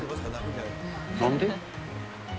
なんで？